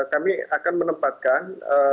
kami akan menempatkan